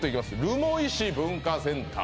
留萌市文化センター